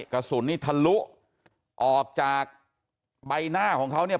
กระสุนนี่ทะลุออกจากใบหน้าของเขาเนี่ย